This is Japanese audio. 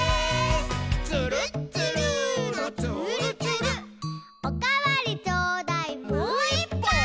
「つるっつるーのつーるつる」「おかわりちょうだい」「もういっぱい！」